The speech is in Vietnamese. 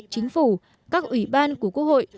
chính phủ các ủy ban của quốc hội